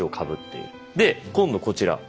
で今度こちら。